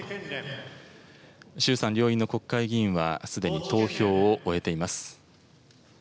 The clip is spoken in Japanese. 衆参両院の国会議員は、すでに投票を終えています。